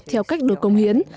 theo cách được công hiến